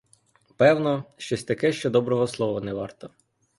Певно, щось таке, що доброго слова не варто.